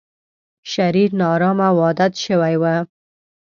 شرير، نا ارامه او عادت شوی و.